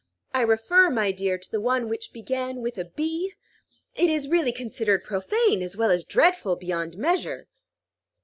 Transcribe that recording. I refer, my dear, to the one which began with a B. It is really considered profane, as well as dreadful beyond measure."